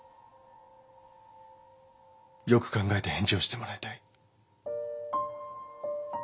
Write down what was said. よく考えて返事をしてもらいたい。